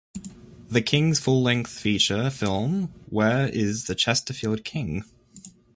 The Kings' full-length feature film Where is the Chesterfield King?